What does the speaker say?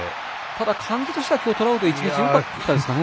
ただ、感じとしてはトラウト今日１日よかったですかね。